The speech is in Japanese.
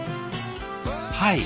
はい。